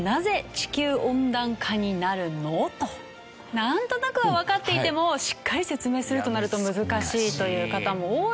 なんとなくはわかっていてもしっかり説明するとなると難しいという方も多いと思います。